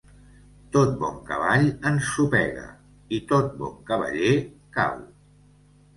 Tot bon cavall ensopega i tot bon cavaller cau.